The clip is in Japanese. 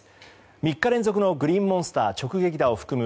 ３日連続のグリーンモンスター直撃打を含む